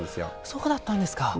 そうだったんですか。